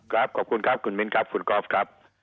ครับขอบคุณครับคุณมินครับคุณกรอฟครับ